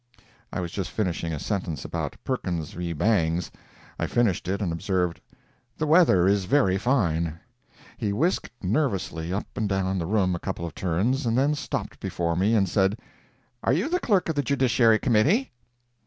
I was just finishing a sentence about Perkins v. Bangs. I finished it and observed: "The weather is very fine." He whisked nervously up and down the room a couple of turns, and then stopped before me and said: "Are you the clerk of the Judiciary Committee?"